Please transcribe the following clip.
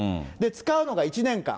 使うのが１年間。